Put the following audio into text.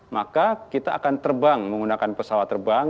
maka kita akan terbang menggunakan pesawat terbang